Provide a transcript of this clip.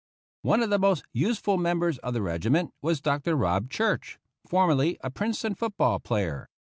One of the most useful members of the regi ment was Dr. Robb Church, formerly a Princeton foot ball player.